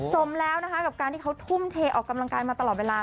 สมแล้วนะคะกับการที่เขาทุ่มเทออกกำลังกายมาตลอดเวลา